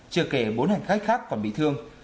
chưa kể bốn hành khách khác còn bị thương